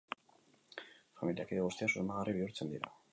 Familia-kide guztiak susmagarri bihurtzen dira.